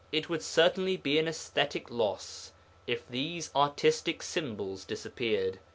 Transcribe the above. It would certainly be an aesthetic loss if these artistic symbols disappeared.